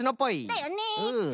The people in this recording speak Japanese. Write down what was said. だよね。